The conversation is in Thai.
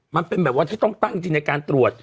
มันเป็นแบบว่าที่ต้องตั้งจริงในการตรวจ